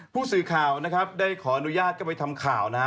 ผู้ซื้อข่าวได้ขออนุญาตเข้าไปทำข่าวนะฮะ